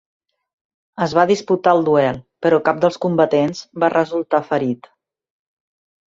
Es va disputar el duel, però cap dels combatents va resultar ferit.